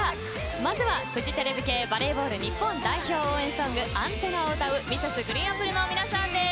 まずはフジテレビ系バレーボール日本代表応援ソング「ＡＮＴＥＮＮＡ」を歌うＭｒｓ．ＧＲＥＥＮＡＰＰＬＥの皆さんです。